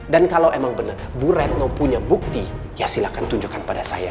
dan kalau emang benar bu retno punya bukti ya silahkan tunjukkan pada saya